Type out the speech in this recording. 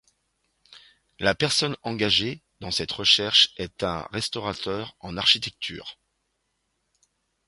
La personne engagée dans cette recherche est un restaurateur en architecture.